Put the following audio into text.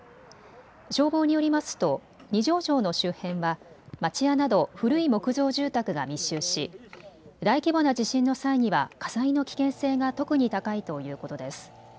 消防によりますと二条城の周辺は町屋など古い木造住宅が密集し大規模な地震の際には火災の危険性が特に高いということです。